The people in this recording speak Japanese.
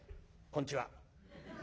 こんちは」。